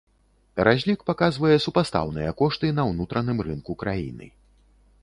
Разлік паказвае супастаўныя кошты на ўнутраным рынку краіны.